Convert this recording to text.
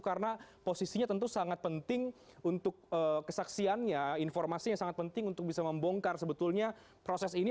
karena posisinya tentu sangat penting untuk kesaksiannya informasi yang sangat penting untuk bisa membongkar sebetulnya proses ini